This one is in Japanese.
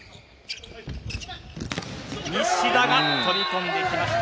西田が飛び込んできました